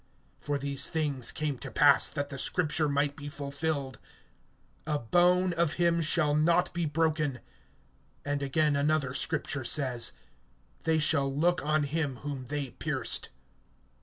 (36)For these things came to pass, that the scripture might be fulfilled: A bone of him shall not be broken. (37)And again another scripture says: They shall look on him whom they pierced.